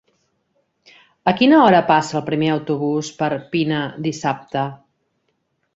A quina hora passa el primer autobús per Pina dissabte?